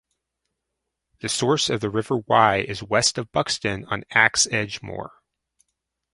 The source of the River Wye is west of Buxton on Axe Edge Moor.